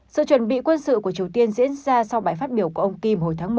sự chuẩn bị quân sự của triều tiên diễn ra sau bài phát biểu của ông kim hồi tháng một